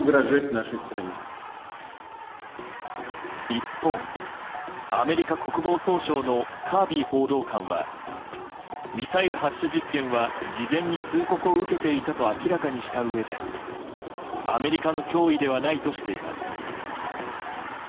一方、アメリカ国防総省のカービー報道官はミサイル発射実験は事前に通告を受けていたと明らかにしたうえでアメリカの脅威ではないとしています。